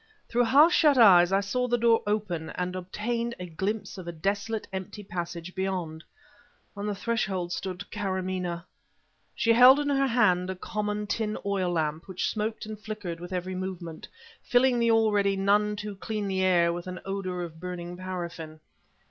Through half shut eyes, I saw the door open and obtained a glimpse of a desolate, empty passage beyond. On the threshold stood Karamaneh. She held in her hand a common tin oil lamp which smoked and flickered with every movement, filling the already none too cleanly air with an odor of burning paraffin.